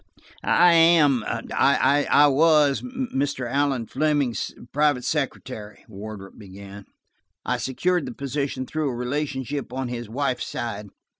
"I am–I was–Mr. Allan Fleming's private secretary," Wardrop began. "I secured the position through a relationship on his wife's side.